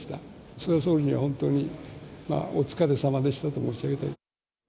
菅総理には本当に、お疲れさまでしたと申し上げたい。